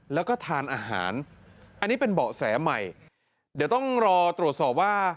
แล้วก็ทานอาหารอันนี้เป็นเบาะแสใหม่เดี๋ยวต้องรอตรวจสอบว่า